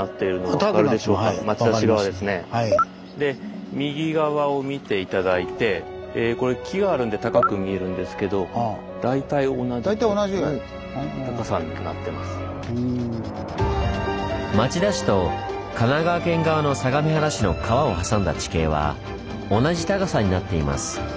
で右側を見て頂いてこれ木があるんで高く見えるんですけど町田市と神奈川県側の相模原市の川を挟んだ地形は同じ高さになっています。